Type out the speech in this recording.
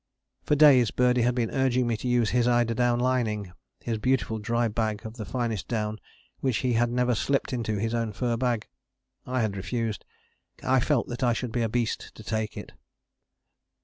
For days Birdie had been urging me to use his eider down lining his beautiful dry bag of the finest down which he had never slipped into his own fur bag. I had refused: I felt that I should be a beast to take it.